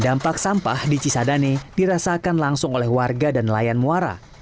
dampak sampah di cisadane dirasakan langsung oleh warga dan nelayan muara